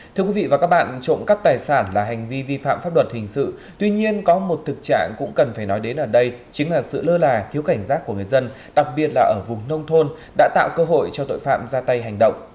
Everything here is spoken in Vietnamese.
thưa quý vị và các bạn trộm cắp tài sản là hành vi vi phạm pháp luật hình sự tuy nhiên có một thực trạng cũng cần phải nói đến ở đây chính là sự lơ là thiếu cảnh giác của người dân đặc biệt là ở vùng nông thôn đã tạo cơ hội cho tội phạm ra tay hành động